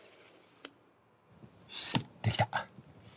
できた。